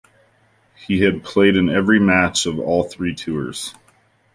He had played in every match of all three tours.